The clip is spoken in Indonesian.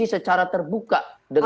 diskusi secara terbuka